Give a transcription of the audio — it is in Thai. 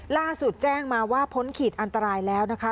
ล่าสุดแจ้งมาว่าพ้นขีดอันตรายแล้วนะคะ